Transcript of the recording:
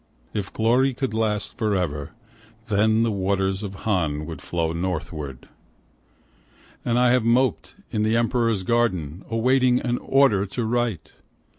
(If glorv could last forever 78 THE RIVER SONG Then the waters of Han would flow northward.) And I have moped in the Emperor's garden, awaiting an order to write